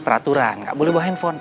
peraturan gak boleh buah handphone